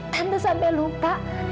tante sampai lupa